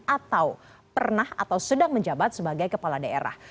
atau pernah atau sedang menjabat sebagai kepala daerah